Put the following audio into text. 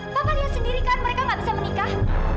papa lihat sendiri kan mereka tidak bisa menikah